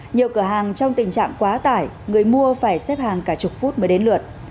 nhiều cửa hàng trong tình trạng quá tải người mua phải xếp hàng cả chục phút mới đến lượt